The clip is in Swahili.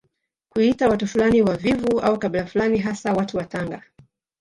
Kuita watu fulani wavivu au kabila fulani hasa watu wa Tanga